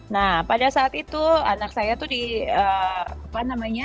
nah pada saat itu anak saya tuh di apa namanya